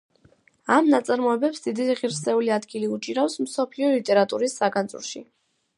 ამ ნაწარმოებებს დიდი ღირსეული ადგილი უჭირავთ მსოფლიო ლიტერატურის საგანძურში.